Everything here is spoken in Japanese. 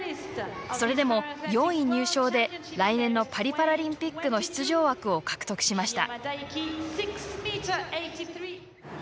それでも、４位入賞で来年のパリパラリンピックの出場枠を獲得しました。